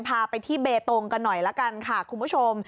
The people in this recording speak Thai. พาไปที่เบตงกันหน่อยละกันค่ะคุณผู้ชม